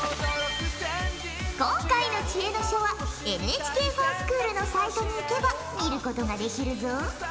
今回の知恵の書はＮＨＫｆｏｒＳｃｈｏｏｌのサイトにいけば見ることができるぞ。